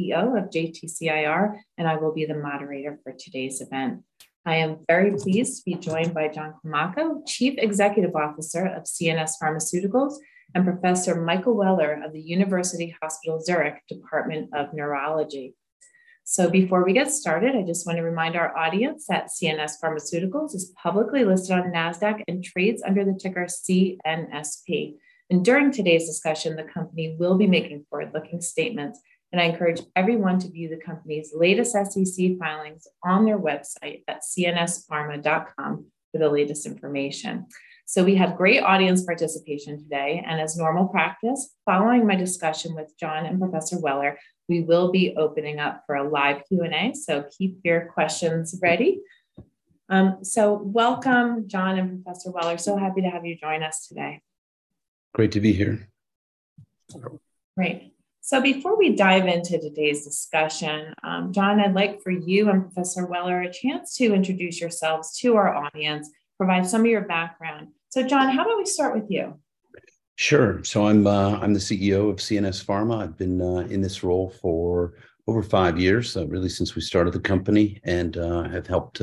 CEO of JTCIR Team, I will be the moderator for today's event. I am very pleased to be joined by John Climaco, Chief Executive Officer of CNS Pharmaceuticals, and Professor Michael Weller of the University Hospital Zurich, Department of Neurology. Before we get started, I just wanna remind our audience that CNS Pharmaceuticals is publicly listed on NASDAQ, and trades under the ticker CNSP. During today's discussion, the company will be making forward-looking statements, and I encourage everyone to view the company's latest SEC filings on their website at cnspharma.com for the latest information. We have great audience participation today, and as normal practice, following my discussion with John and Professor Weller, we will be opening up for a live Q&A, so keep your questions ready. Welcome John and Professor Weller, so happy to have you join us today. Great to be here. Hello. Great. Before we dive into today's discussion, John, I'd like for you and Professor Weller a chance to introduce yourselves to our audience, provide some of your background. John, how about we start with you? Sure. I'm the CEO of CNS Pharma. I've been in this role for over five years, really since we started the company, and have helped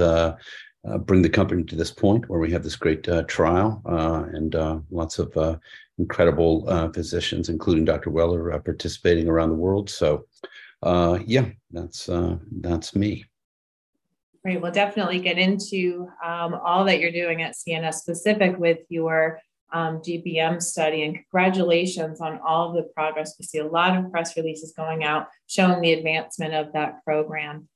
bring the company to this point where we have this great trial, and lots of incredible physicians, including Dr. Weller, participating around the world. Yeah, that's me. Great. We'll definitely get into all that you're doing at CNS, specific with your GBM study. Congratulations on all the progress. We see a lot of press releases going out, showing the advancement of that program.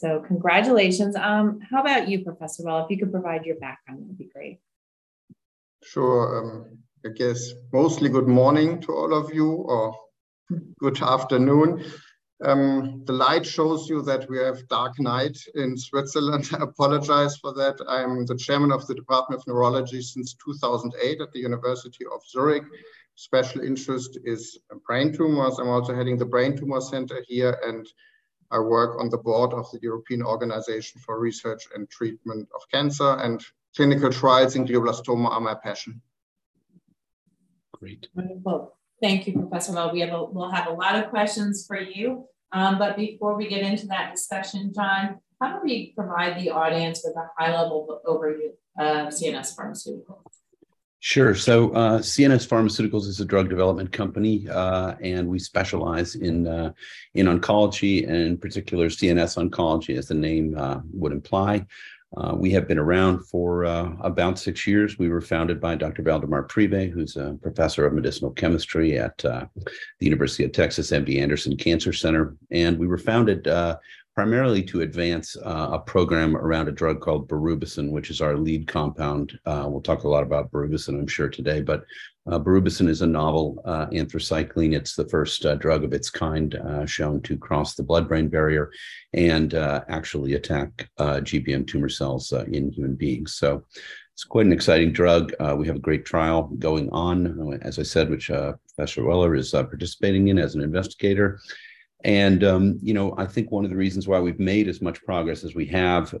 Congratulations. How about you, Professor Weller? If you could provide your background, that'd be great. Sure. I guess mostly good morning to all of you, or good afternoon. The light shows you that we have dark night in Switzerland. I apologize for that. I am the chairman of the Department of Neurology since 2008 at the University of Zurich. Special interest is brain tumors. I'm also heading the brain tumor center here, and I work on the board of the European Organisation for Research and Treatment of Cancer, and clinical trials in glioblastoma are my passion. Great. Wonderful. Thank you, Professor Weller. We'll have a lot of questions for you. Before we get into that discussion, John, how about we provide the audience with a high-level overview of CNS Pharmaceuticals? Sure. CNS Pharmaceuticals is a drug development company, and we specialize in oncology and particular CNS oncology, as the name would imply. We have been around for about six years. We were founded by Dr. Waldemar Priebe, who's a professor of medicinal chemistry at The University of Texas MD Anderson Cancer Center. We were founded primarily to advance a program around a drug called Berubicin, which is our lead compound. We'll talk a lot about Berubicin, I'm sure, today. Berubicin is a novel anthracycline. It's the first drug of its kind shown to cross the blood-brain barrier and actually attack GBM tumor cells in human beings. It's quite an exciting drug. We have a great trial going on, as I said, which Professor Weller is participating in as an investigator. You know, I think one of the reasons why we've made as much progress as we have,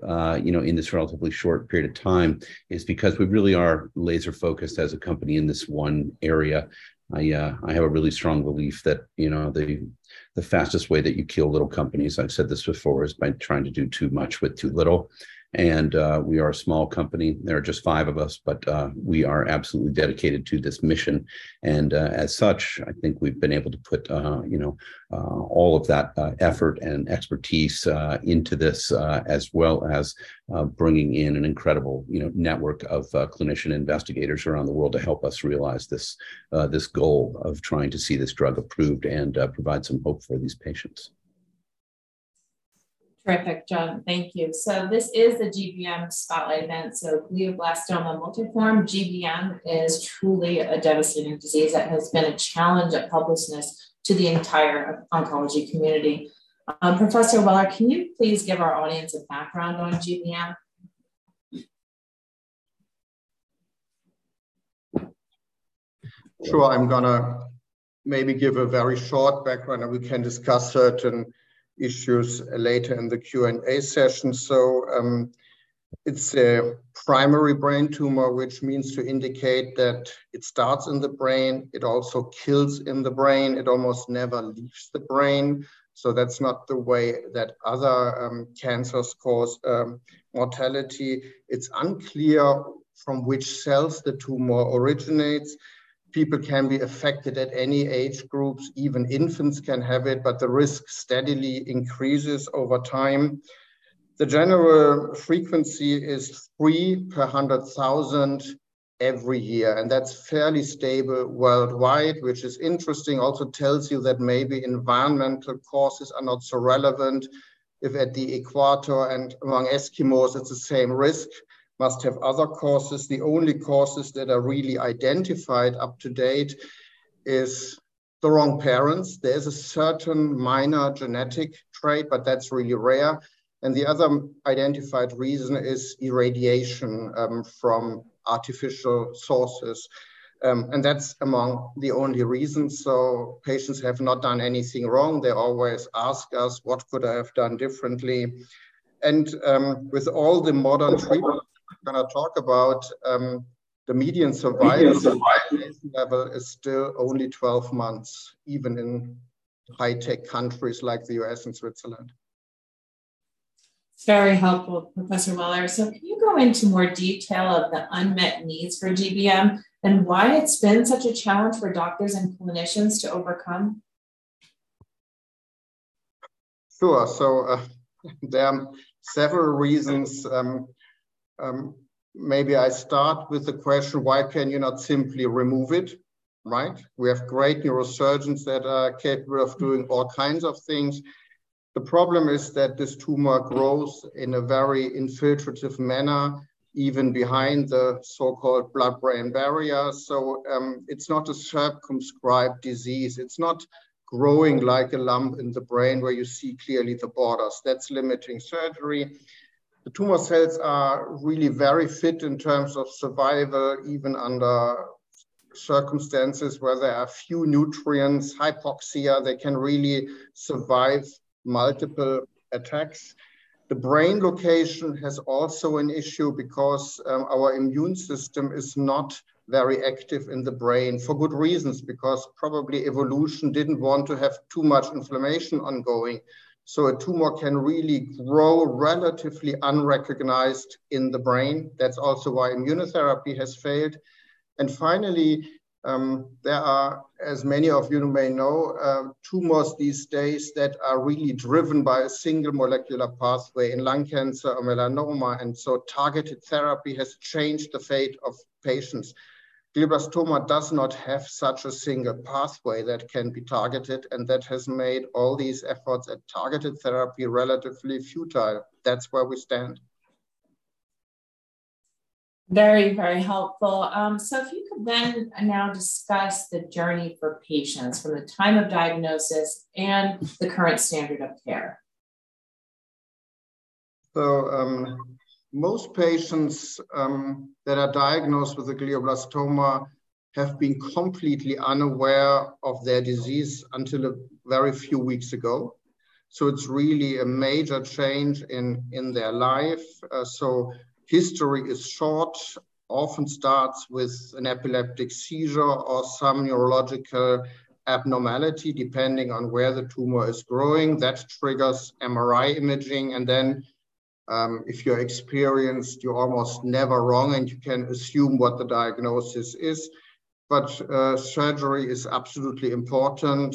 you know, in this relatively short period of time is because we really are laser-focused as a company in this one area. I have a really strong belief that, you know, the fastest way that you kill little companies, I've said this before, is by trying to do too much with too little. We are a small company. There are just five of us, but we are absolutely dedicated to this mission. As such, I think we've been able to put, you know, all of that effort and expertise into this, as well as bringing in an incredible, you know, network of clinician investigators around the world to help us realize this goal of trying to see this drug approved and provide some hope for these patients. Terrific, John. Thank you. This is the GBM Spotlight event. Glioblastoma multiforme, GBM, is truly a devastating disease that has been a challenge of publicness to the entire oncology community. Professor Weller, can you please give our audience a background on GBM? Sure. I'm gonna maybe give a very short background, and we can discuss certain issues later in the Q&A session. It's a primary brain tumor, which means to indicate that it starts in the brain, it also kills in the brain, it almost never leaves the brain. That's not the way that other cancers cause mortality. It's unclear from which cells the tumor originates. People can be affected at any age groups. Even infants can have it, but the risk steadily increases over time. The general frequency is 3 per 100,000 every year, and that's fairly stable worldwide, which is interesting. Tells you that maybe environmental causes are not so relevant if at the equator and among Eskimos, it's the same risk. Must have other causes. The only causes that are really identified up to date is the wrong parents. There's a certain minor genetic trait, but that's really rare. The other identified reason is irradiation from artificial sources. That's among the only reasons. Patients have not done anything wrong. They always ask us, "What could I have done differently?" With all the modern treatments. When I talk about the median survival. Median survival... level is still only 12 months, even in high-tech countries like the U.S. and Switzerland. Very helpful, Professor Weller. Can you go into more detail of the unmet needs for GBM, and why it's been such a challenge for doctors and clinicians to overcome? Sure. There are several reasons. Maybe I start with the question, why can you not simply remove it, right? We have great neurosurgeons that are capable of doing all kinds of things. The problem is that this tumor grows in a very infiltrative manner, even behind the so-called blood-brain barrier. It's not a circumscribed disease. It's not growing like a lump in the brain where you see clearly the borders. That's limiting surgery. The tumor cells are really very fit in terms of survival, even under circumstances where there are few nutrients, hypoxia, they can really survive multiple attacks. The brain location has also an issue because our immune system is not very active in the brain, for good reasons, because probably evolution didn't want to have too much inflammation ongoing. A tumor can really grow relatively unrecognized in the brain. That's also why immunotherapy has failed. Finally, there are, as many of you may know, tumors these days that are really driven by a single molecular pathway in lung cancer or melanoma. Targeted therapy has changed the fate of patients. glioblastoma does not have such a single pathway that can be targeted. That has made all these efforts at targeted therapy relatively futile. That's where we stand. Very, very helpful. If you could then now discuss the journey for patients from the time of diagnosis and the current standard of care. Most patients that are diagnosed with a glioblastoma have been completely unaware of their disease until a very few weeks ago, so it's really a major change in their life. History is short, often starts with an epileptic seizure or some neurological abnormality, depending on where the tumor is growing. That triggers MRI imaging, and then if you're experienced, you're almost never wrong, and you can assume what the diagnosis is. Surgery is absolutely important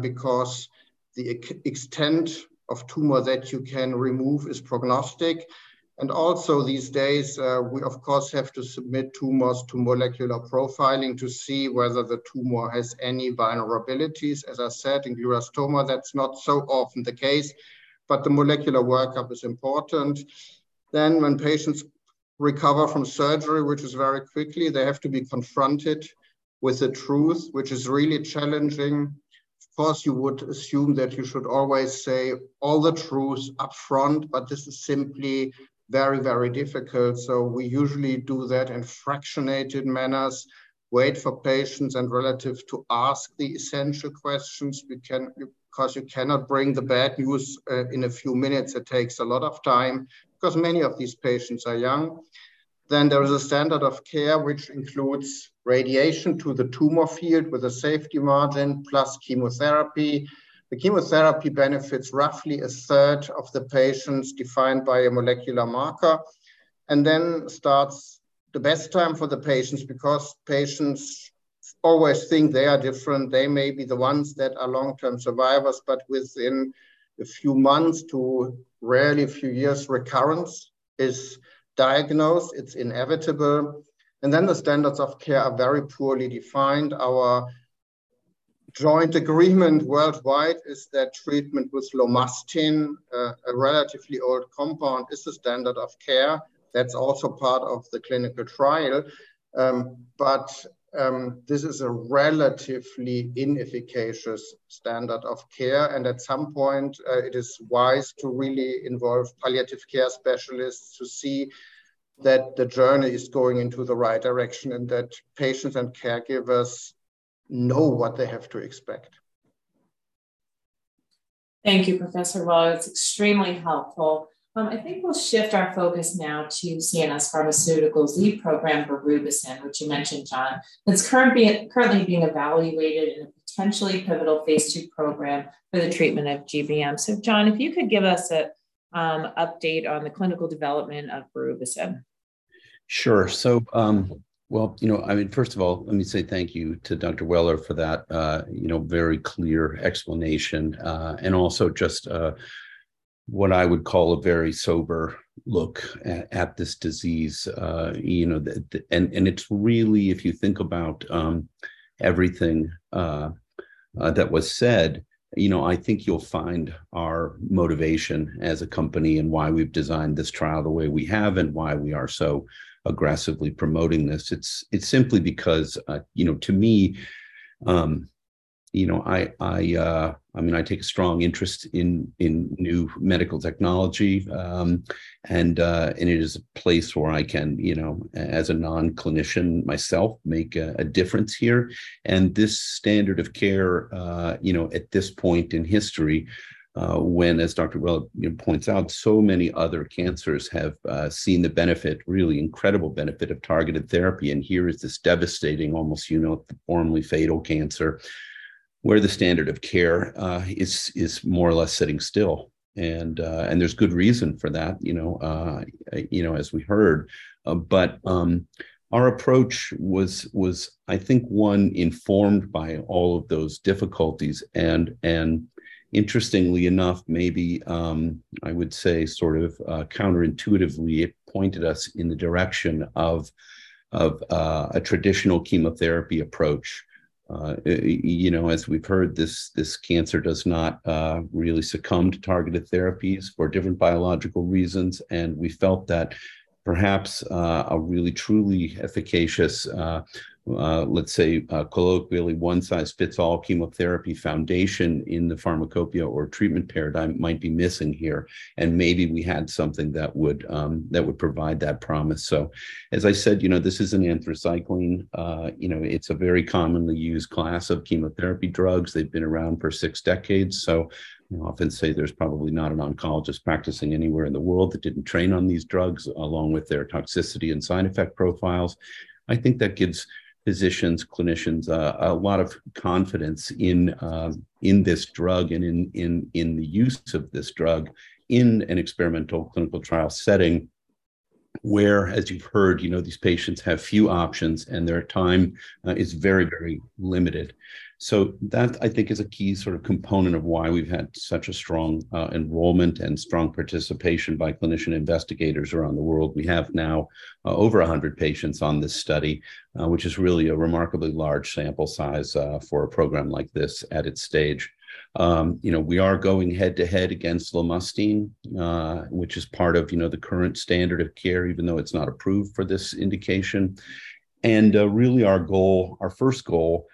because the extent of tumor that you can remove is prognostic. Also these days, we of course have to submit tumors to molecular profiling to see whether the tumor has any vulnerabilities. As I said, in glioblastoma, that's not so often the case, the molecular workup is important. When patients recover from surgery, which is very quickly, they have to be confronted with the truth, which is really challenging. Of course, you would assume that you should always say all the truth upfront, but this is simply very, very difficult, so we usually do that in fractionated manners, wait for patients and relatives to ask the essential questions. You cannot bring the bad news in a few minutes. It takes a lot of time, because many of these patients are young. There is a standard of care, which includes radiation to the tumor field with a safety margin, plus chemotherapy. The chemotherapy benefits roughly a third of the patients defined by a molecular marker, and then starts the best time for the patients, because patients always think they are different. They may be the ones that are long-term survivors, but within a few months to rarely a few years, recurrence is diagnosed. It's inevitable. The standards of care are very poorly defined. Our joint agreement worldwide is that treatment with lomustine, a relatively old compound, is the standard of care. That's also part of the clinical trial. This is a relatively inefficacious standard of care, and at some point, it is wise to really involve palliative care specialists to see that the journey is going into the right direction, and that patients and caregivers know what they have to expect. Thank you, Professor Weller. It's extremely helpful. I think we'll shift our focus now to CNS Pharmaceuticals lead program for Berubicin, which you mentioned, John. It's currently being evaluated in a potentially pivotal phase II program for the treatment of GBM. John, if you could give us a update on the clinical development of Berubicin. Sure. Well, you know, I mean, first of all, let me say thank you to Dr. Weller for that, you know, very clear explanation, and also just what I would call a very sober look at this disease. You know, the, and it's really, if you think about everything that was said, you know, I think you'll find our motivation as a company and why we've designed this trial the way we have, and why we are so aggressively promoting this. It's simply because, you know, to me, You know, I mean, I take a strong interest in new medical technology, and it is a place where I can, you know, as a non-clinician myself, make a difference here. This standard of care, you know, at this point in history, when, as Dr. Weller, you know, points out, so many other cancers have seen the benefit, really incredible benefit of targeted therapy, and here is this devastating almost, you know, formerly fatal cancer where the standard of care is more or less sitting still. There's good reason for that, you know, you know, as we heard. Our approach was I think one informed by all of those difficulties, and interestingly enough maybe, I would say sort of, counterintuitively it pointed us in the direction of a traditional chemotherapy approach. You know, as we've heard, this cancer does not really succumb to targeted therapies for different biological reasons, and we felt that perhaps a really truly efficacious, let's say colloquially one-size-fits-all chemotherapy foundation in the pharmacopoeia or treatment paradigm might be missing here, and maybe we had something that would provide that promise. As I said, you know, this is an anthracycline. You know, it's a very commonly used class of chemotherapy drugs. They've been around for 6 decades, so, you know, I often say there's probably not an oncologist practicing anywhere in the world that didn't train on these drugs along with their toxicity and side effect profiles. I think that gives physicians, clinicians, a lot of confidence in this drug and in the use of this drug in an experimental clinical trial setting where, as you've heard, you know, these patients have few options, and their time is very, very limited. That I think is a key sort of component of why we've had such a strong enrollment and strong participation by clinician investigators around the world. We have now over 100 patients on this study, which is really a remarkably large sample size, for a program like this at its stage. You know, we are going head to head against lomustine, which is part of, you know, the current standard of care even though it's not approved for this indication. Really our goal, our first goal,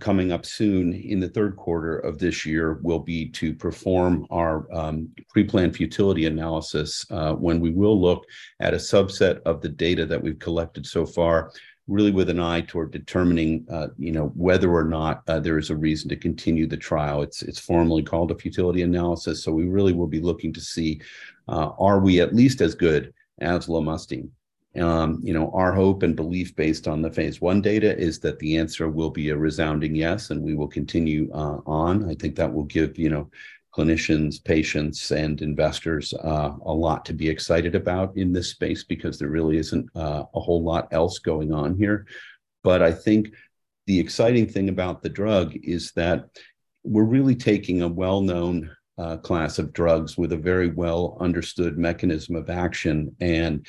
coming up soon in the third quarter of this year will be to perform our preplanned futility analysis, when we will look at a subset of the data that we've collected so far really with an eye toward determining, you know, whether or not there is a reason to continue the trial. It's formally called a futility analysis, so we really will be looking to see, are we at least as good as lomustine. You know, our hope and belief based on the phase I data is that the answer will be a resounding yes, and we will continue on. I think that will give, you know, clinicians, patients, and investors, a lot to be excited about in this space because there really isn't a whole lot else going on here. I think the exciting thing about the drug is that we're really taking a well-known class of drugs with a very well-understood mechanism of action, and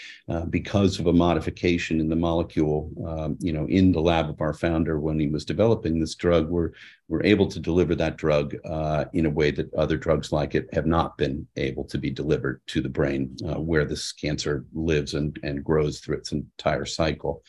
because of a modification in the molecule, you know, in the lab of our Founder when he was developing this drug, we're able to deliver that drug in a way that other drugs like it have not been able to be delivered to the brain, where this cancer lives and grows through its entire cycle.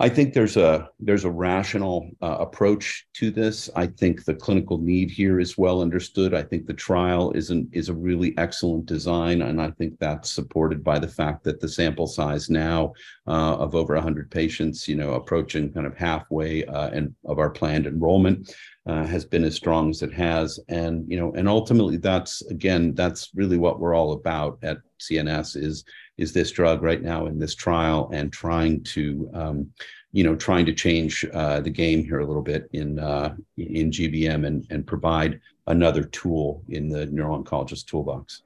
I think there's a rational, approach to this. I think the clinical need here is well understood. I think the trial is a really excellent design. I think that's supported by the fact that the sample size now, of over 100 patients, you know, approaching kind of halfway in of our planned enrollment, has been as strong as it has. You know, ultimately that's again, that's really what we're all about at CNS is this drug right now in this trial and trying to, you know, trying to change the game here a little bit in GBM and provide another tool in the neuro-oncologist's toolbox.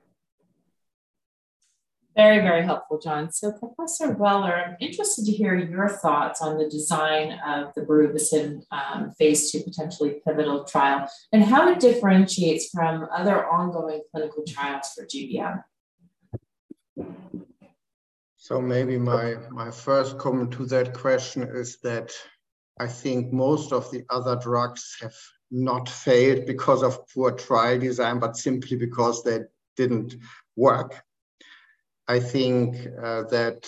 Very, very helpful, John. Professor Weller, I'm interested to hear your thoughts on the design of the Berubicin phase II potentially pivotal trial and how it differentiates from other ongoing clinical trials for GBM? Maybe my first comment to that question is that I think most of the other drugs have not failed because of poor trial design but simply because they didn't work. I think that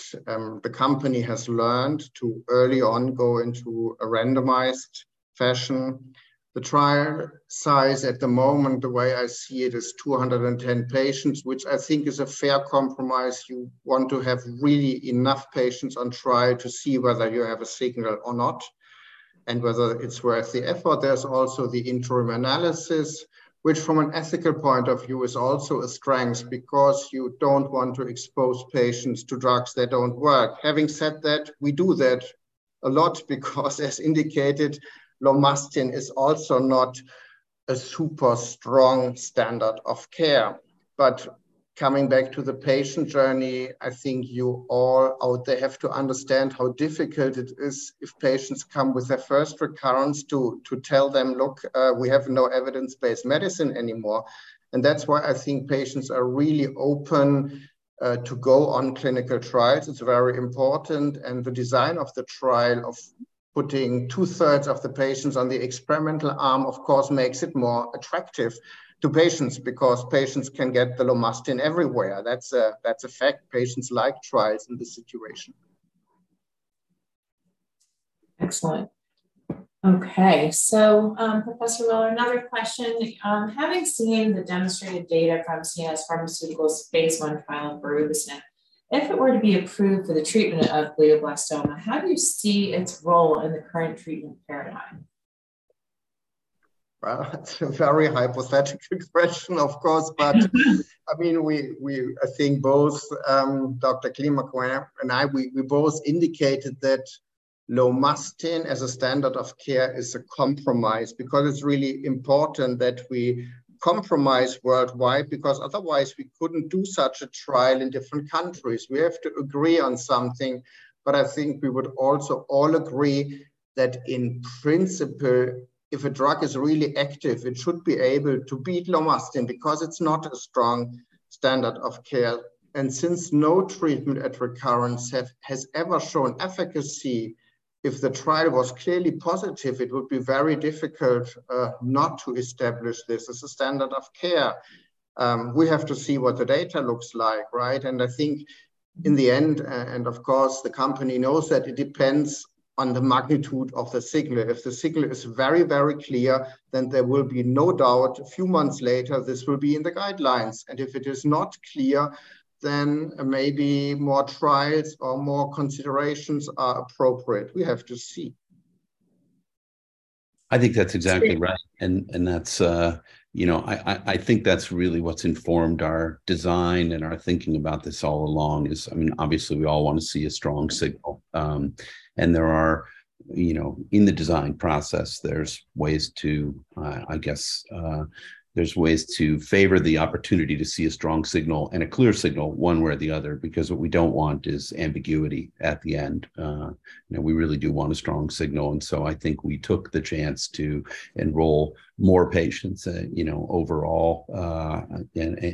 the company has learned to early on go into a randomized fashion. The trial size at the moment, the way I see it, is 210 patients, which I think is a fair compromise. You want to have really enough patients on trial to see whether you have a signal or not and whether it's worth the effort. There's also the interim analysis, which from an ethical point of view is also a strength because you don't want to expose patients to drugs that don't work. Having said that, we do that a lot because, as indicated, lomustine is also not a super strong standard of care. Coming back to the patient journey, I think you all out there have to understand how difficult it is if patients come with their first recurrence to tell them, "Look, we have no evidence-based medicine anymore." That's why I think patients are really open to go on clinical trials. It's very important. The design of the trial of putting two-thirds of the patients on the experimental arm of course makes it more attractive to patients because patients can get the lomustine everywhere. That's a fact. Patients like trials in this situation. Excellent. Okay. Professor Weller, another question. Having seen the demonstrated data from CNS Pharmaceuticals' phase I trial in Berubicin, if it were to be approved for the treatment of glioblastoma, how do you see its role in the current treatment paradigm? Well, that's a very hypothetical question of course. I mean, we I think both Dr. McKwain and I, we both indicated that lomustine as a standard of care is a compromise because it's really important that we compromise worldwide, because otherwise we couldn't do such a trial in different countries. We have to agree on something. I think we would also all agree that in principle, if a drug is really active, it should be able to beat lomustine because it's not a strong standard of care. Since no treatment at recurrence has ever shown efficacy, if the trial was clearly positive, it would be very difficult not to establish this as a standard of care. We have to see what the data looks like, right? I think in the end, of course, the company knows that it depends on the magnitude of the signal. If the signal is very, very clear, there will be no doubt a few months later this will be in the guidelines. If it is not clear, maybe more trials or more considerations are appropriate. We have to see. I think that's exactly right. That's, you know, I think that's really what's informed our design and our thinking about this all along is, I mean, obviously we all wanna see a strong signal. There are, you know, in the design process, there's ways to favor the opportunity to see a strong signal and a clear signal one way or the other, because what we don't want is ambiguity at the end. You know, we really do want a strong signal. I think we took the chance to enroll more patients, you know, overall,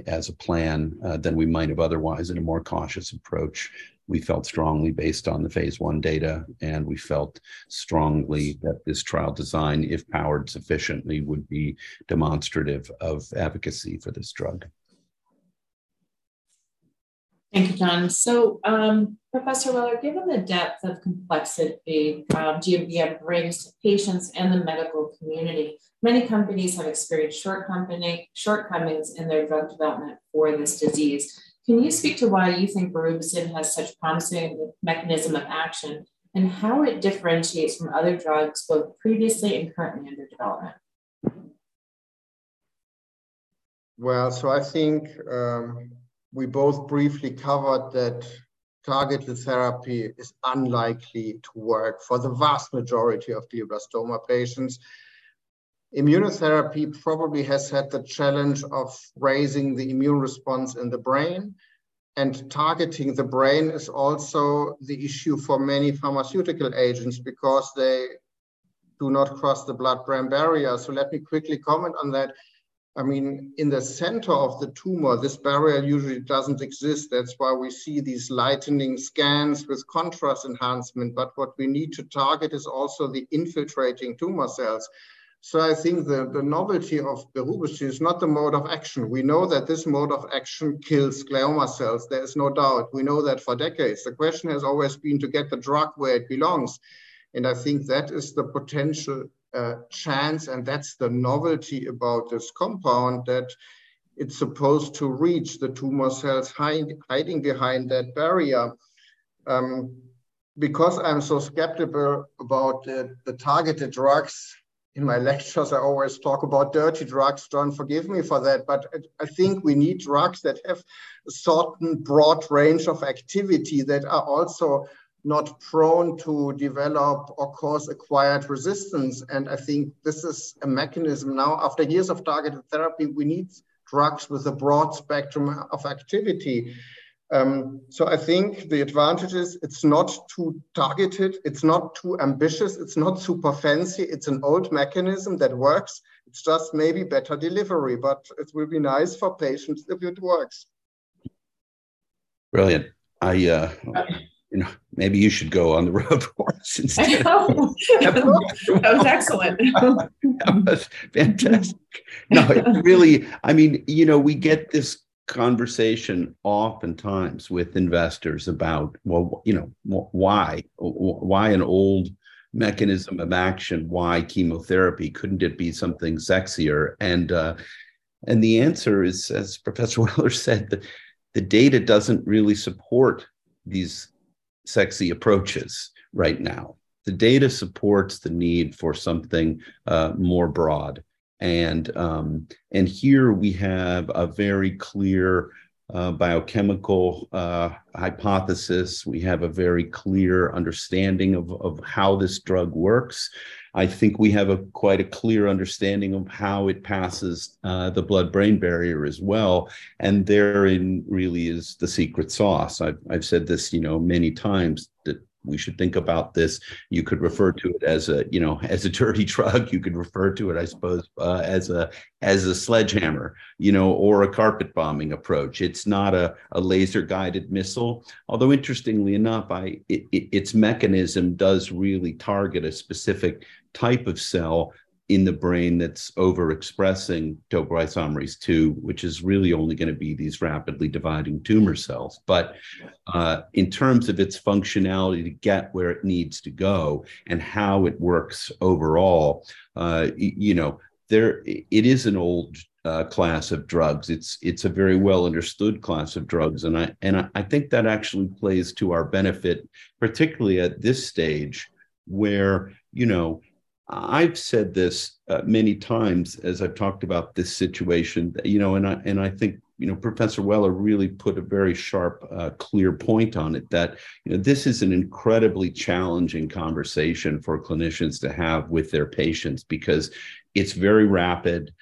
as a plan, than we might have otherwise in a more cautious approach. We felt strongly based on the phase I data, and we felt strongly that this trial design, if powered sufficiently, would be demonstrative of efficacy for this drug. Thank you, John. Professor Weller, given the depth of complexity, GBM brings to patients and the medical community, many companies have experienced shortcomings in their drug development for this disease. Can you speak to why you think Berubicin has such promising mechanism of action, and how it differentiates from other drugs both previously and currently under development? I think we both briefly covered that targeted therapy is unlikely to work for the vast majority of glioblastoma patients. Immunotherapy probably has had the challenge of raising the immune response in the brain, and targeting the brain is also the issue for many pharmaceutical agents because they do not cross the blood-brain barrier. Let me quickly comment on that. I mean, in the center of the tumor, this barrier usually doesn't exist. That's why we see these lightening scans with contrast enhancement. What we need to target is also the infiltrating tumor cells. I think the novelty of Berubicin is not the mode of action. We know that this mode of action kills glioma cells. There is no doubt. We know that for decades. The question has always been to get the drug where it belongs, and I think that is the potential chance, and that's the novelty about this compound, that it's supposed to reach the tumor cells hiding behind that barrier. Because I'm so skeptical about the targeted drugs, in my lectures I always talk about dirty drugs. John, forgive me for that, but I think we need drugs that have a certain broad range of activity that are also not prone to develop or cause acquired resistance. I think this is a mechanism now. After years of targeted therapy, we need drugs with a broad spectrum of activity. I think the advantage is it's not too targeted, it's not too ambitious, it's not super fancy. It's an old mechanism that works. It's just maybe better delivery, but it will be nice for patients if it works. Brilliant. Um. You know, maybe you should go on the road for us instead. I know. Yeah. That was excellent. That was fantastic. Really, I mean, you know, we get this conversation oftentimes with investors about, well, you know, why? Why an old mechanism of action? Why chemotherapy? Couldn't it be something sexier? The answer is, as Professor Michael Weller said, the data doesn't really support these sexy approaches right now. The data supports the need for something more broad. Here we have a very clear biochemical hypothesis. We have a very clear understanding of how this drug works. I think we have a quite a clear understanding of how it passes the blood-brain barrier as well, and therein really is the secret sauce. I've said this, you know, many times that we should think about this. You could refer to it as a dirty drug. You could refer to it, I suppose, as a, as a sledgehammer, you know, or a carpet bombing approach. It's not a laser-guided missile, although interestingly enough, its mechanism does really target a specific type of cell in the brain that's overexpressing topoisomerase II, which is really only gonna be these rapidly dividing tumor cells. Yeah in terms of its functionality to get where it needs to go and how it works overall, you know, it is an old class of drugs. It's a very well-understood class of drugs, and I think that actually plays to our benefit, particularly at this stage, where, you know, I've said this many times as I've talked about this situation, you know, and I think, you know, Professor Weller really put a very sharp, clear point on it that, you know, this is an incredibly challenging conversation for clinicians to have with their patients because it's very rapid,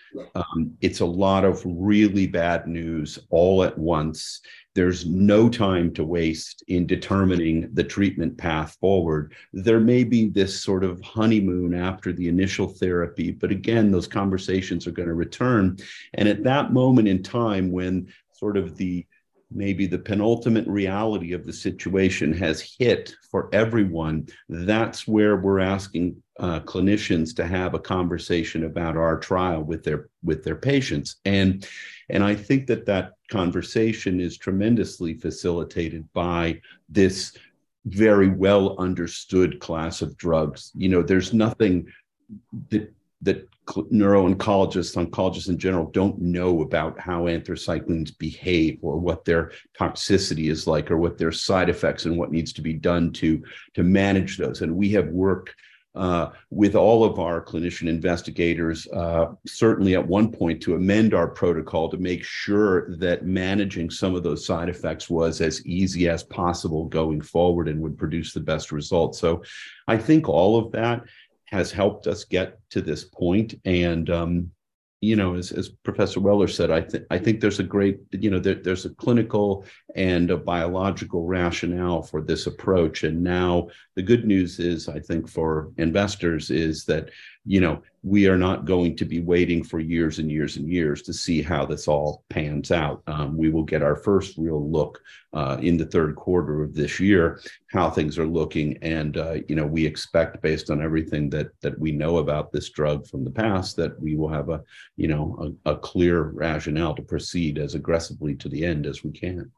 it's a lot of really bad news all at once. There's no time to waste in determining the treatment path forward. There may be this sort of honeymoon after the initial therapy, but again, those conversations are gonna return. At that moment in time when sort of the, maybe the penultimate reality of the situation has hit for everyone, that's where we're asking clinicians to have a conversation about our trial with their, with their patients. I think that that conversation is tremendously facilitated by this very well-understood class of drugs. You know, there's nothing that neuro-oncologists, oncologists in general don't know about how anthracyclines behave or what their toxicity is like or what their side effects and what needs to be done to manage those. We have worked with all of our clinician investigators, certainly at one point to amend our protocol to make sure that managing some of those side effects was as easy as possible going forward and would produce the best results. I think all of that has helped us get to this point. You know, as Professor Michael Weller said, I think there's a great, you know, there's a clinical and a biological rationale for this approach. Now the good news is, I think, for investors is that, you know, we are not going to be waiting for years and years to see how this all pans out. We will get our first real look in the third quarter of this year, how things are looking. You know, we expect based on everything that we know about this drug from the past, that we will have a clear rationale to proceed as aggressively to the end as we can.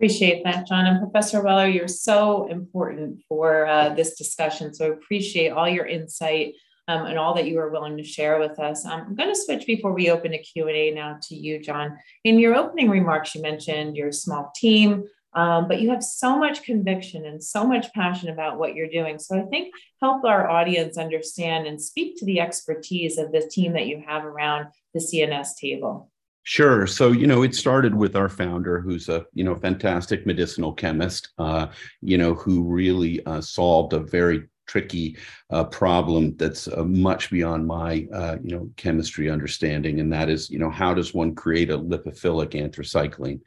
Appreciate that, John. Professor Weller, you're so important for this discussion, so appreciate all your insight, and all that you are willing to share with us. I'm gonna switch before we open to Q&A now to you, John. In your opening remarks, you mentioned your small team, but you have so much conviction and so much passion about what you're doing. I think help our audience understand and speak to the expertise of the team that you have around the CNS table. Sure. you know, it started with our founder who's a, you know, fantastic medicinal chemist, you know, who really solved a very tricky problem that's much beyond my, you know, chemistry understanding, and that is, you know, how does one create a lipophilic anthracycline?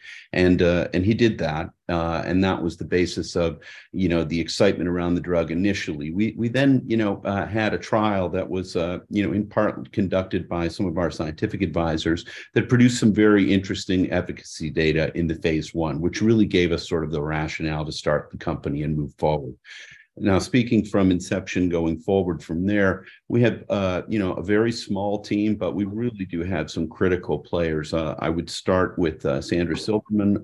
he did that, and that was the basis of, you know, the excitement around the drug initially. We then, you know, had a trial that was, you know, in part conducted by some of our scientific advisors that produced some very interesting efficacy data into phase I, which really gave us sort of the rationale to start the company and move forward. speaking from inception going forward from there, we had, you know, a very small team, but we really do have some critical players. I would start with Sandra Silberman,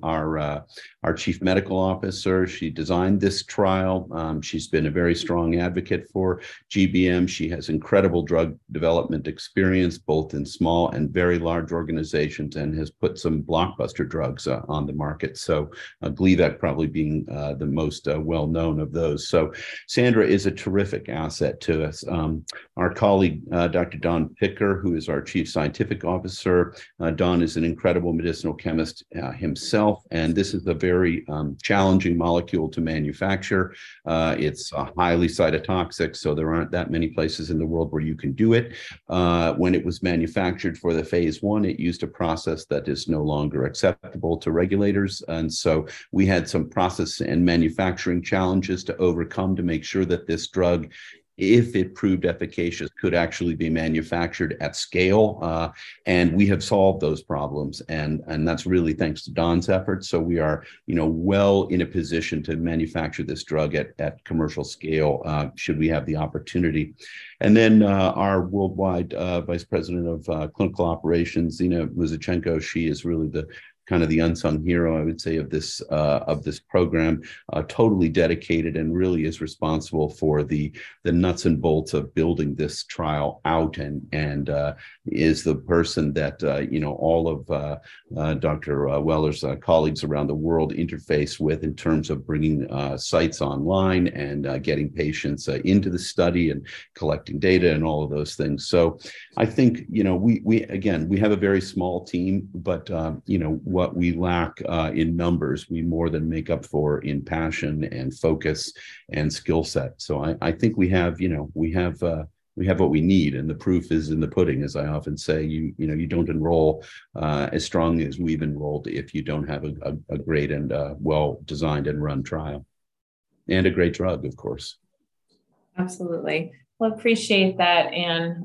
our Chief Medical Officer. She designed this trial. She's been a very strong advocate for GBM. She has incredible drug development experience, both in small and very large organizations, and has put some blockbuster drugs on the market. Gleevec probably being the most well known of those. Sandra is a terrific asset to us. Our colleague, Dr. Don Picker, who is our Chief Scientific Officer, Don is an incredible medicinal chemist himself, and this is a very challenging molecule to manufacture. It's highly cytotoxic, so there aren't that many places in the world where you can do it. When it was manufactured for the phase I, it used a process that is no longer acceptable to regulators. We had some process and manufacturing challenges to overcome to make sure that this drug, if it proved efficacious, could actually be manufactured at scale. We have solved those problems, and that's really thanks to Don's efforts, so we are, you know, well in a position to manufacture this drug at commercial scale, should we have the opportunity. Our worldwide Vice President of Clinical Operations, Zena Muzyczenko, she is really kind of the unsung hero, I would say, of this program, totally dedicated and really is responsible for the nuts and bolts of building this trial out and is the person that, you know, all of Dr. Weller's colleagues around the world interface with in terms of bringing sites online and getting patients into the study and collecting data and all of those things. I think, you know, we again, we have a very small team, but, you know, what we lack in numbers, we more than make up for in passion and focus and skill set. I think we have, you know, we have what we need, and the proof is in the pudding, as I often say. You know, you don't enroll as strongly as we've enrolled if you don't have a great and well-designed and run trial. A great drug, of course. Absolutely. Well, appreciate that.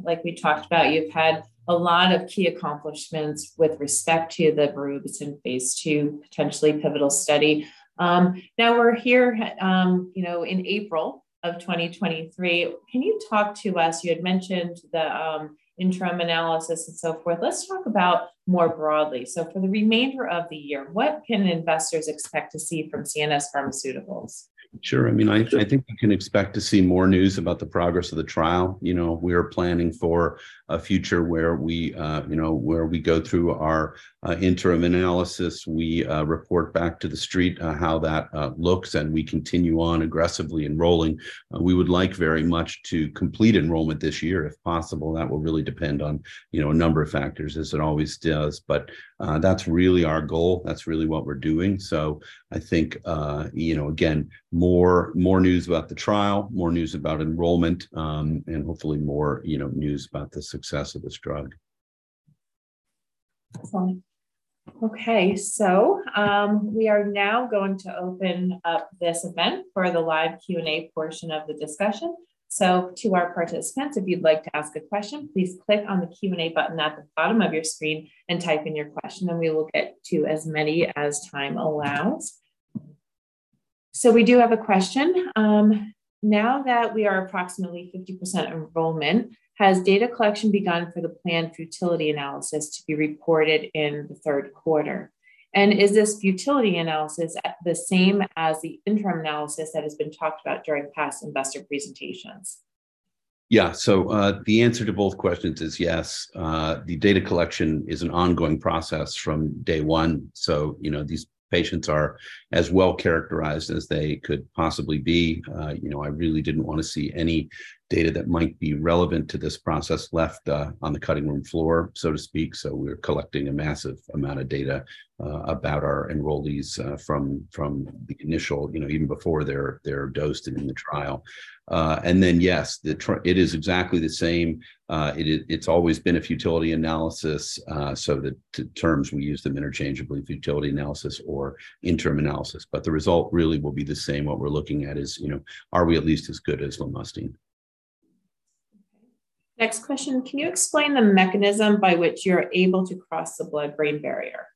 Like we talked about, you've had a lot of key accomplishments with respect to the Berubicin phase II potentially pivotal study. Now we're here, you know, in April of 2023. Can you talk to us, you had mentioned the interim analysis and so forth. Let's talk about more broadly. For the remainder of the year, what can investors expect to see from CNS Pharmaceuticals? Sure. I mean, I think you can expect to see more news about the progress of the trial. You know, we are planning for a future where we, you know, where we go through our interim analysis. We report back to the street, how that looks, we continue on aggressively enrolling. We would like very much to complete enrollment this year if possible. That will really depend on, you know, a number of factors as it always does. That's really our goal. That's really what we're doing. I think, you know, again, more news about the trial, more news about enrollment, hopefully more, you know, news about the success of this drug. Excellent. Okay. We are now going to open up this event for the live Q&A portion of the discussion. To our participants, if you'd like to ask a question, please click on the Q&A button at the bottom of your screen and type in your question, and we will get to as many as time allows. We do have a question. Now that we are approximately 50% enrollment, has data collection begun for the planned futility analysis to be reported in the third quarter? Is this futility analysis the same as the interim analysis that has been talked about during past investor presentations? The answer to both questions is yes. The data collection is an ongoing process from day one, you know, these patients are as well characterized as they could possibly be. You know, I really didn't wanna see any data that might be relevant to this process left on the cutting room floor, so to speak. We're collecting a massive amount of data about our enrollees from the initial... you know, even before they're dosed and in the trial. Yes, it is exactly the same. It's always been a futility analysis. The terms, we use them interchangeably, futility analysis or interim analysis. The result really will be the same. What we're looking at is, you know, are we at least as good as lomustine? Okay. Next question: Can you explain the mechanism by which you're able to cross the blood-brain barrier?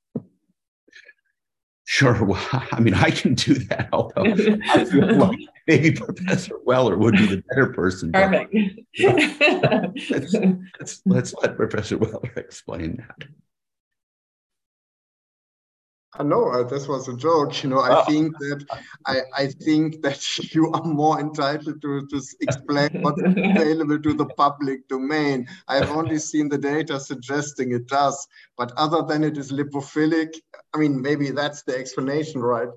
Sure. Well, I mean, I can do that, maybe Professor Weller would be the better person. Perfect. Yeah. Let's let Professor Weller explain that. No, this was a joke, you know. I think that you are more entitled to just explain what's available to the public domain. I've only seen the data suggesting it does, but other than it is lipophilic, I mean, maybe that's the explanation, right?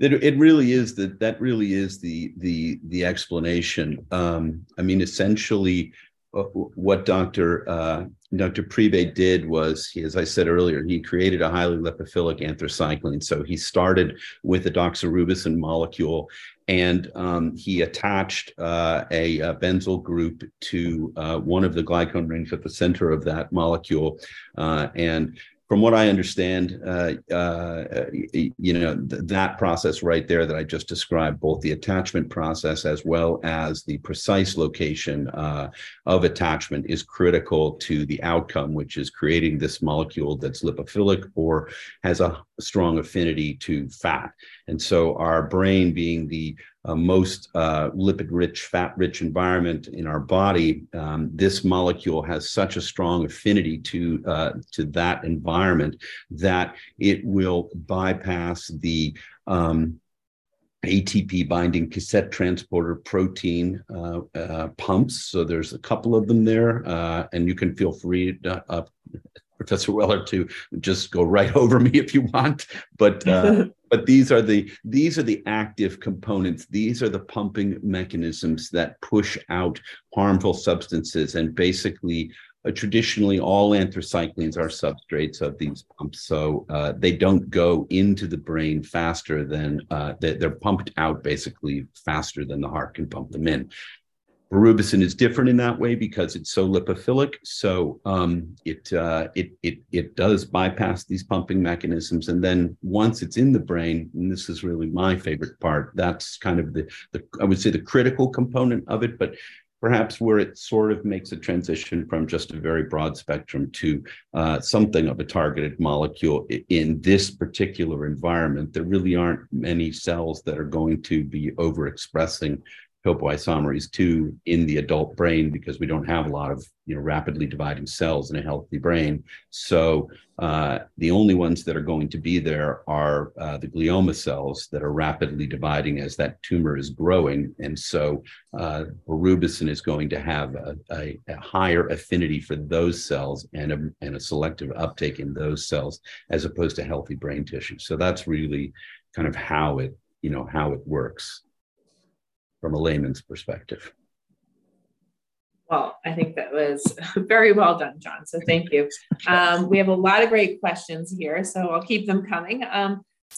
It really is the... That really is the explanation. I mean, essentially, what doctor Dr. Priebe did was he, as I said earlier, he created a highly lipophilic anthracycline. So he started with a doxorubicin molecule, and he attached a benzyl group to one of the glycone rings at the center of that molecule. From what I understand, you know, that process right there that I just described, both the attachment process as well as the precise location of attachment, is critical to the outcome, which is creating this molecule that's lipophilic or has a strong affinity to fat. Our brain being the most lipid-rich, fat-rich environment in our body, this molecule has such a strong affinity to that environment that it will bypass the ATP-binding cassette transporter pumps. There's a couple of them there, and you can feel free, Professor Weller, to just go right over me if you want. These are the active components. These are the pumping mechanisms that push out harmful substances, and basically, traditionally, all anthracyclines are substrates of these pumps. They don't go into the brain faster than. They're pumped out basically faster than the heart can pump them in. Berubicin is different in that way because it's so lipophilic. It does bypass these pumping mechanisms, and then once it's in the brain, and this is really my favorite part, that's kind of the, I would say, the critical component of it, but perhaps where it sort of makes a transition from just a very broad spectrum to something of a targeted molecule. In this particular environment, there really aren't many cells that are going to be overexpressing topoisomerase II in the adult brain because we don't have a lot of, you know, rapidly dividing cells in a healthy brain. The only ones that are going to be there are the glioma cells that are rapidly dividing as that tumor is growing. Berubicin is going to have a higher affinity for those cells and a selective uptake in those cells as opposed to healthy brain tissue. That's really kind of how it, you know, how it works from a layman's perspective. Well, I think that was very well done, John, so thank you. Yes. We have a lot of great questions here, so I'll keep them coming.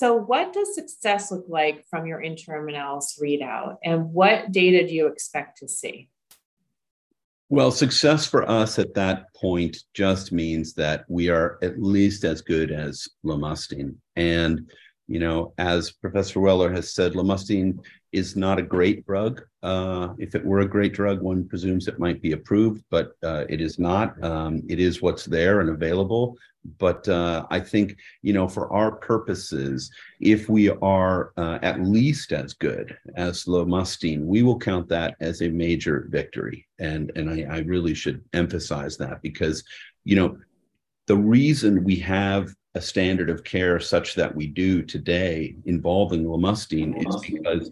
What does success look like from your interim analysis readout, and what data do you expect to see? Well, success for us at that point just means that we are at least as good as lomustine. You know, as Professor Weller has said, lomustine is not a great drug. If it were a great drug, one presumes it might be approved, but it is not. It is what's there and available. I think, you know, for our purposes, if we are at least as good as lomustine, we will count that as a major victory. I really should emphasize that because, you know, the reason we have a standard of care such that we do today involving lomustine is because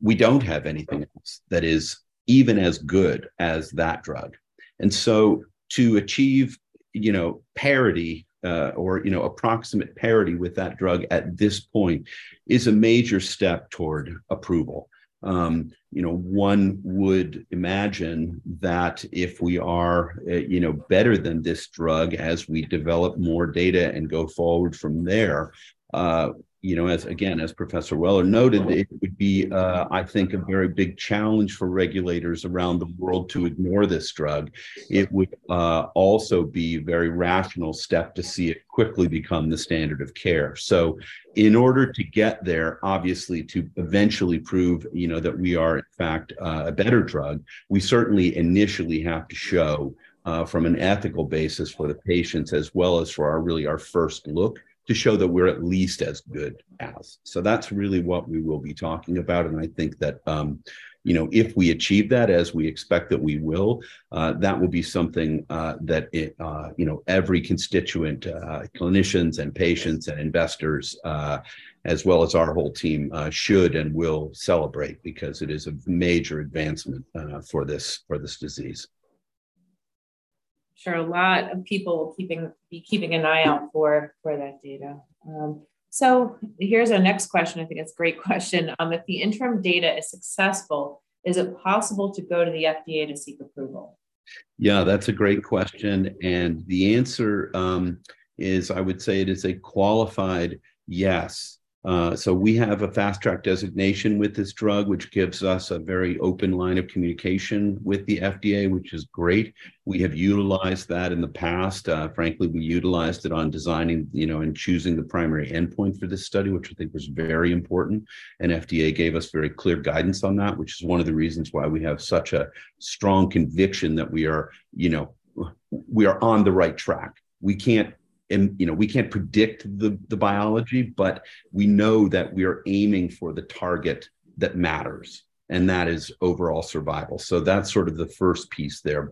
we don't have anything else that is even as good as that drug. To achieve, you know, parity, or, you know, approximate parity with that drug at this point is a major step toward approval. You know, one would imagine that if we are, you know, better than this drug as we develop more data and go forward from there, you know, as again, as Professor Weller noted, it would be, I think, a very big challenge for regulators around the world to ignore this drug. It would also be very rational step to see it quickly become the standard of care. In order to get there, obviously, to eventually prove, you know, that we are in fact, a better drug, we certainly initially have to show, from an ethical basis for the patients as well as for our really first look, to show that we're at least as good as. That's really what we will be talking about, and I think that, you know, if we achieve that as we expect that we will, that will be something that, you know, every constituent, clinicians and patients and investors, as well as our whole team, should and will celebrate because it is a major advancement for this disease. Sure. A lot of people keeping an eye out for that data. Here's our next question. I think it's a great question. If the interim data is successful, is it possible to go to the FDA to seek approval? Yeah, that's a great question. The answer is, I would say it is a qualified yes. We have a Fast Track Designation with this drug, which gives us a very open line of communication with the FDA, which is great. We have utilized that in the past. Frankly, we utilized it on designing, you know, and choosing the primary endpoint for this study, which I think was very important. FDA gave us very clear guidance on that, which is one of the reasons why we have such a strong conviction that we are, you know, we are on the right track. We can't and, you know, we can't predict the biology, but we know that we are aiming for the target that matters, and that is overall survival. That's sort of the first piece there.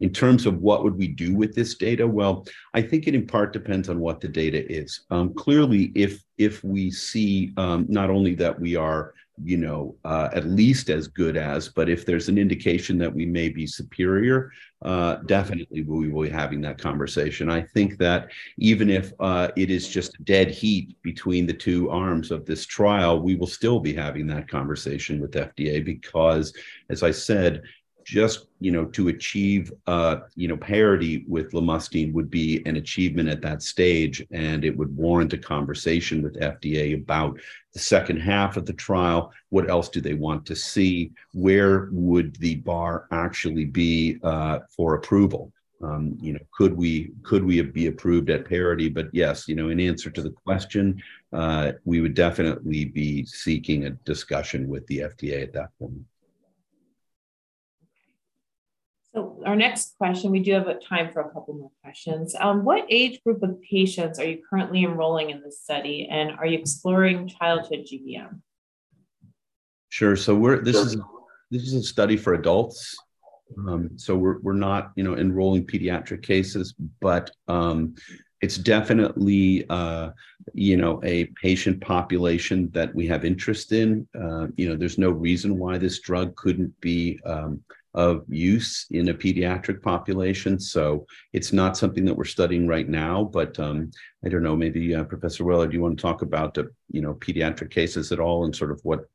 In terms of what would we do with this data, well, I think it in part depends on what the data is. Clearly, if we see, not only that we are, you know, at least as good as, but if there's an indication that we may be superior, definitely we will be having that conversation. I think that even if it is just dead heat between the two arms of this trial, we will still be having that conversation with the FDA because as I said, just, you know, to achieve, you know, parity with lomustine would be an achievement at that stage, and it would warrant a conversation with FDA about the second half of the trial. What else do they want to see? Where would the bar actually be for approval? you know, could we, could we be approved at parity? Yes, you know, in answer to the question, we would definitely be seeking a discussion with the FDA at that point. Okay. Our next question, we do have a time for a couple more questions. What age group of patients are you currently enrolling in this study, and are you exploring childhood GBM? Sure. This is a study for adults. We're, we're not, you know, enrolling pediatric cases, but it's definitely, you know, a patient population that we have interest in. You know, there's no reason why this drug couldn't be of use in a pediatric population, so it's not something that we're studying right now. I don't know, maybe Professor Weller, do you want to talk about the, you know, pediatric cases at all and sort of what,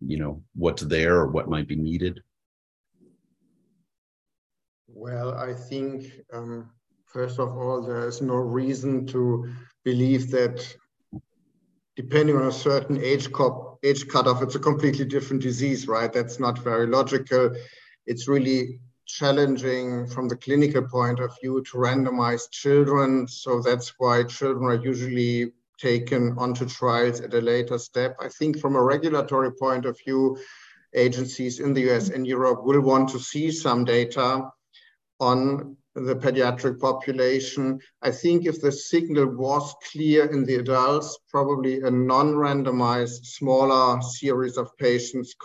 you know, what's there or what might be needed? Well, I think, first of all, there is no reason to believe that depending on a certain age cutoff, it's a completely different disease, right? That's not very logical. It's really challenging from the clinical point of view to randomize children, so that's why children are usually taken onto trials at a later step. I think from a regulatory point of view, agencies in the U.S. and Europe will want to see some data on the pediatric population. I think if the signal was clear in the adults, probably a non-randomized smaller series of patients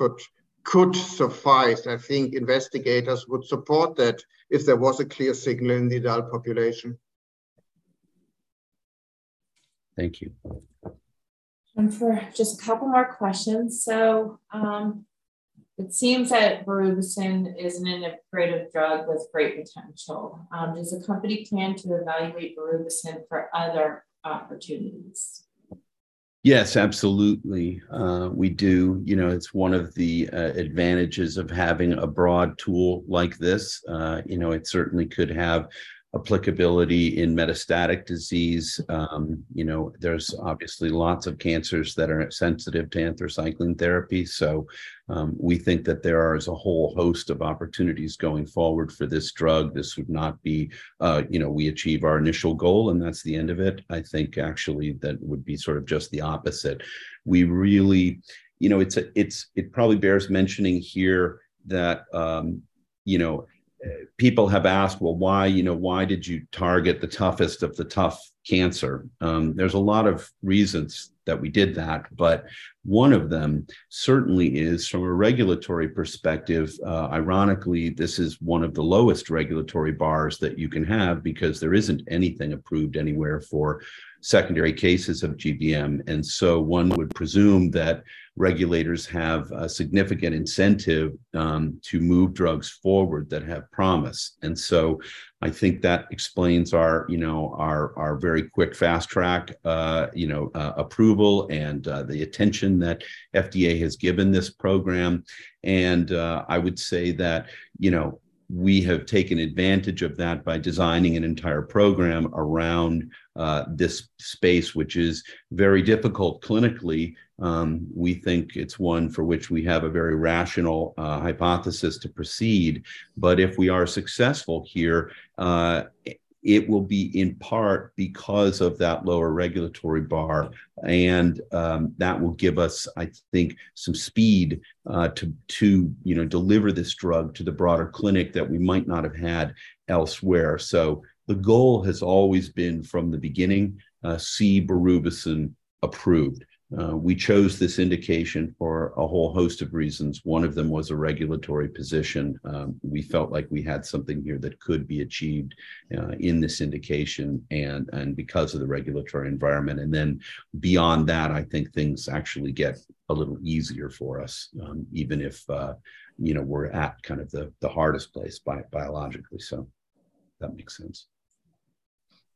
could suffice. I think investigators would support that if there was a clear signal in the adult population. Thank you. Time for just a couple more questions. It seems that Berubicin is an innovative drug with great potential. Does the company plan to evaluate Berubicin for other opportunities? Yes, absolutely. We do. You know, it's one of the advantages of having a broad tool like this. You know, it certainly could have applicability in metastatic disease. You know, there's obviously lots of cancers that are sensitive to anthracycline therapy. We think that there are as a whole host of opportunities going forward for this drug. This would not be, you know, we achieve our initial goal, and that's the end of it. I think actually that would be sort of just the opposite. We really, you know, it probably bears mentioning here that, you know, people have asked, "Well, why, you know, why did you target the toughest of the tough cancer?" There's a lot of reasons that we did that, one of them certainly is from a regulatory perspective. Ironically, this is one of the lowest regulatory bars that you can have because there isn't anything approved anywhere for secondary cases of GBM. One would presume that regulators have a significant incentive to move drugs forward that have promise. I think that explains our very quick Fast Track approval and the attention that FDA has given this program. I would say that, you know, we have taken advantage of that by designing an entire program around this space which is very difficult clinically. We think it's one for which we have a very rational hypothesis to proceed. If we are successful here, it will be in part because of that lower regulatory bar, and that will give us, I think, some speed, to, you know, deliver this drug to the broader clinic that we might not have had elsewhere. The goal has always been from the beginning, see Berubicin approved. We chose this indication for a whole host of reasons. One of them was a regulatory position. We felt like we had something here that could be achieved, in this indication and because of the regulatory environment. Then beyond that, I think things actually get a little easier for us, even if, you know, we're at kind of the hardest place biologically. If that makes sense.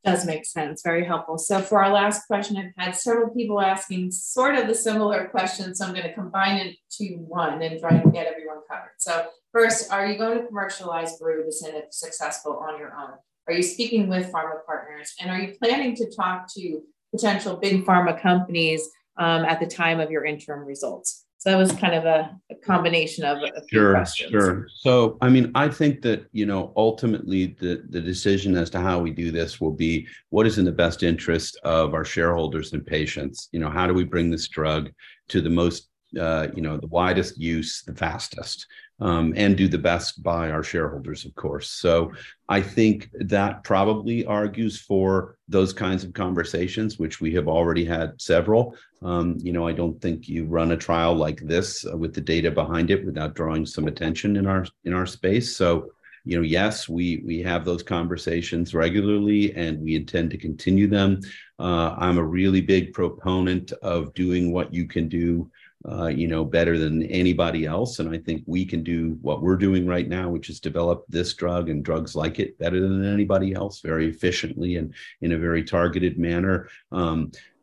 Does make sense. Very helpful. For our last question, I've had several people asking sort of a similar question, so I'm gonna combine it to one and try to get everyone covered. First, are you going to commercialize Berubicin if successful on your own? Are you speaking with pharma partners? Are you planning to talk to potential big pharma companies at the time of your interim results? That was kind of a combination of. Sure a few questions. Sure. I mean, I think that, you know, ultimately the decision as to how we do this will be what is in the best interest of our shareholders and patients. You know, how do we bring this drug to the most, you know, the widest use the fastest, and do the best by our shareholders, of course. I think that probably argues for those kinds of conversations, which we have already had several. You know, I don't think you run a trial like this with the data behind it without drawing some attention in our space. You know, yes, we have those conversations regularly, and we intend to continue them. I'm a really big proponent of doing what you can do, you know, better than anybody else, and I think we can do what we're doing right now, which is develop this drug and drugs like it better than anybody else, very efficiently and in a very targeted manner.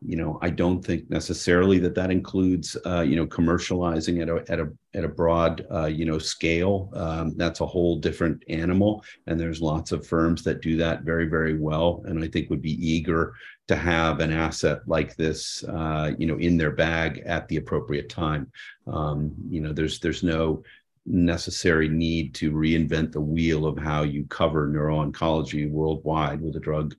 You know, I don't think necessarily that that includes, you know, commercializing at a, at a, at a broad, you know, scale. That's a whole different animal, there's lots of firms that do that very, very well, and I think would be eager to have an asset like this, you know, in their bag at the appropriate time. you know, there's no necessary need to reinvent the wheel of how you cover neuro-oncology worldwide with a drug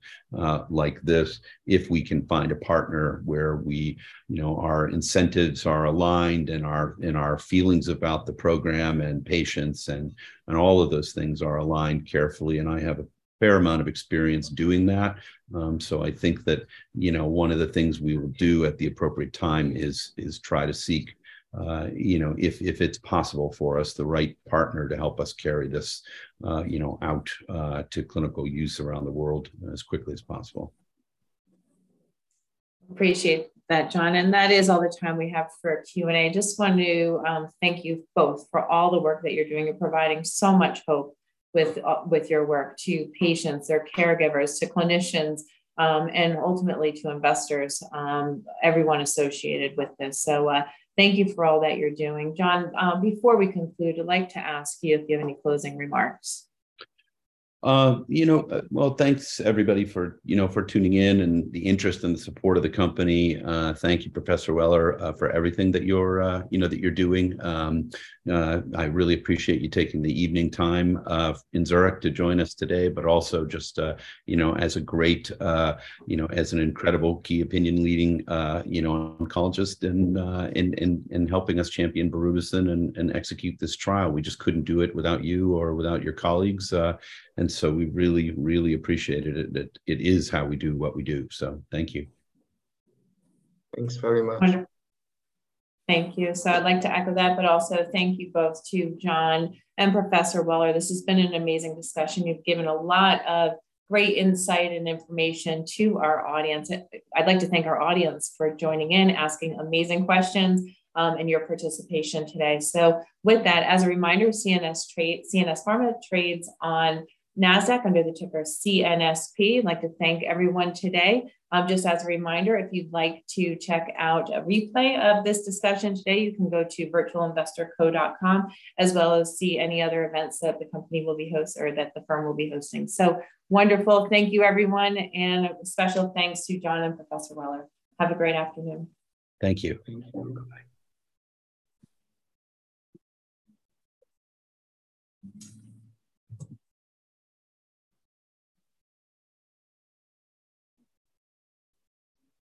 like this if we can find a partner where we, you know, our incentives are aligned and our feelings about the program and patients and all of those things are aligned carefully. I have a fair amount of experience doing that. I think that, you know, one of the things we will do at the appropriate time is try to seek, you know, if it's possible for us, the right partner to help us carry this, you know, out to clinical use around the world as quickly as possible. Appreciate that, John. That is all the time we have for Q&A. Just want to thank you both for all the work that you're doing. You're providing so much hope with your work to patients, their caregivers, to clinicians, and ultimately to investors, everyone associated with this. Thank you for all that you're doing. John, before we conclude, I'd like to ask you if you have any closing remarks. You know, well, thanks everybody for, you know, for tuning in and the interest and support of the company. Thank you, Professor Weller, for everything that you're, you know, that you're doing. I really appreciate you taking the evening time in Zurich to join us today, but also just, you know, as a great, you know, as an incredible key opinion leading, you know, oncologist in helping us champion Berubicin and execute this trial. We just couldn't do it without you or without your colleagues. We really, really appreciated it. It is how we do what we do. Thank you. Thanks very much. Wonderful. Thank you. I'd like to echo that, but also thank you both to John and Professor Weller. This has been an amazing discussion. You've given a lot of great insight and information to our audience. I'd like to thank our audience for joining in, asking amazing questions, and your participation today. With that, as a reminder, CNS Pharma trades on NASDAQ under the ticker CNSP. I'd like to thank everyone today. Just as a reminder, if you'd like to check out a replay of this discussion today, you can go to virtualinvestorco.com, as well as see any other events that the company or that the firm will be hosting. Wonderful. Thank you everyone, and a special thanks to John and Professor Weller. Have a great afternoon. Thank you. Thank you. Bye-bye.